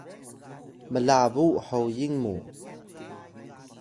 mlabuw hoyin mu